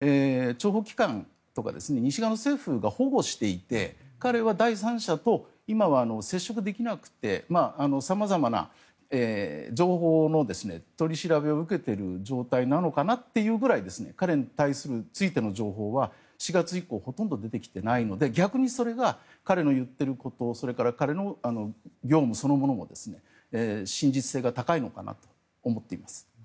つまり、彼はこのあと恐らく西側の諜報機関とか西側の政府が保護していて彼は第三者と今は接触できなくて様々な情報の取り調べを受けている状態なのかなっていうくらい彼についての情報は４月以降ほとんど出てきてないので逆にそれが彼の言っていることそれから彼の業務そのものも真実性が高いのかなと思っています。